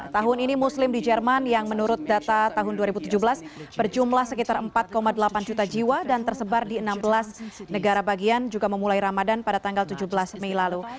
tahun ini muslim di jerman yang menurut data tahun dua ribu tujuh belas berjumlah sekitar empat delapan juta jiwa dan tersebar di enam belas negara bagian juga memulai ramadan pada tanggal tujuh belas mei lalu